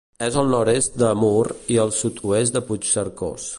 És al nord-est de Mur i al sud-oest de Puigcercós.